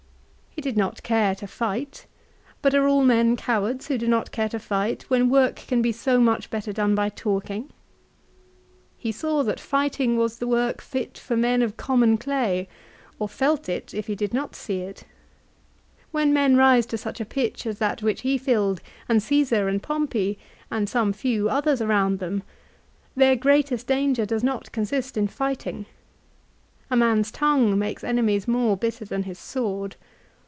He did not care to fight; but are all men cowards who do not care to fight when work can be so much better done by talking ? He saw that fight ing was the work fit for men of common clay, or felt it if he AFTER THE BATTLE. 155 did not see it. When men rise to such a pitch as that which he filled and Caesar and Pompey, and some few others around them, their greatest danger does not consist in fighting. A man's tongue makes enemies more bitter than his sword.